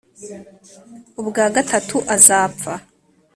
ubwa gatatu azapfa